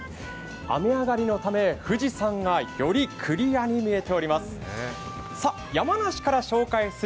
雨上がりのため、富士山がよりクリアに見えています。